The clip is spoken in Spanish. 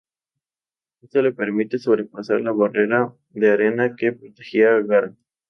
Esto le permite sobrepasar la barrera de arena que protegía a Gaara.